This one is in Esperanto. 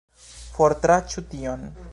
Fortranĉu tion!